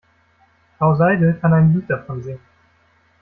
Frau Seidel kann ein Lied davon singen.